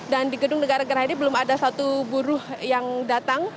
dan di gedung negara gerah hadi belum ada satu buruh yang datang